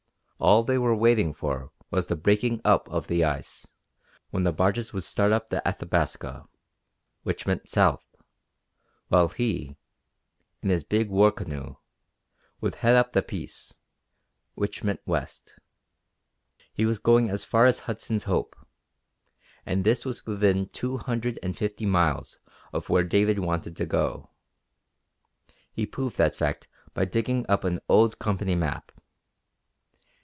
All they were waiting for was the breaking up of the ice, when the barges would start up the Athabasca, which meant south; while he, in his big war canoe, would head up the Peace, which meant west. He was going as far as Hudson's Hope, and this was within two hundred and fifty miles of where David wanted to go. He proved that fact by digging up an old Company map.